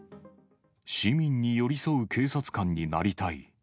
市民に寄り添う警察官になりたい。